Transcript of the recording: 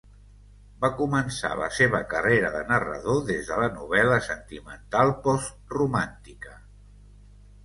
Va començar la seva carrera de narrador des de la novel·la sentimental postromàntica.